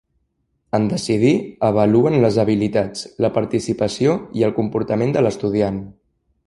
En decidir, avaluen les habilitats, la participació i el comportament de l'estudiant.